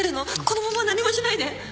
このまま何もしないで？